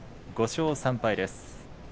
５勝３敗です。